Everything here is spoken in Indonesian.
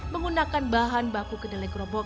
menggunakan bahan baku kedelai gerobok